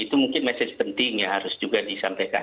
itu mungkin message penting yang harus juga disampaikan